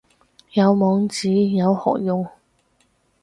有網址有何用